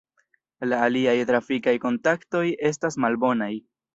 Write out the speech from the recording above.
La aliaj trafikaj kontaktoj estas malbonaj.